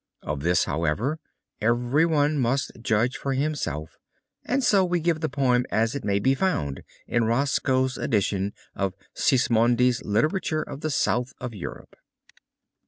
Of this, however, every one must judge for himself and so we give the poem as it may be found in Roscoe's edition of Sismondi's Literature of the South of Europe.